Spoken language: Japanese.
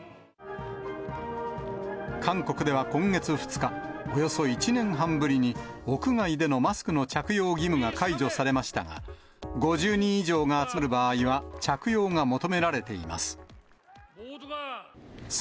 韓国では今月２日、およそ１年半ぶりに、屋外でのマスクの着用義務が解除されましたが、５０人以上が集まる場合は着用が求められています。